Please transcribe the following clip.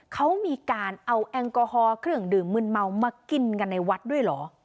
เขามีการเอาแอลกอฮอลเครื่องดื่มมืนเมามากินกันในวัดด้วยเหรอ